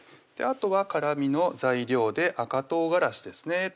あとは辛みの材料で赤唐辛子ですね